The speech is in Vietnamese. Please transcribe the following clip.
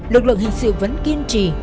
lực lượng hình sự vẫn kiên trì